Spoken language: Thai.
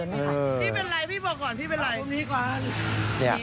พี่เป็นอะไรพี่บอกก่อนพี่เป็นอะไร